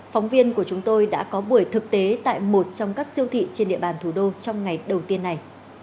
phóng viên của chúng tôi đã có buổi thực tế tại một trong các siêu thị trên địa bàn thủ đô trong ngày đầu tiên này